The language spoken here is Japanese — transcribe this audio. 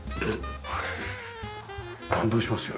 感動しますよ。